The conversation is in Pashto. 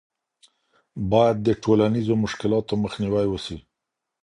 باید د ټولنیزو مشکلاتو مخنیوی وسي.